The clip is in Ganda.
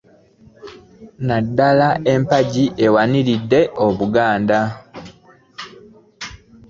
Naddala empagi ewaniridde Buganda